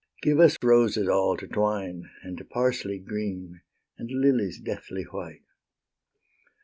Give us roses all to twine, And parsley green, and lilies deathly white.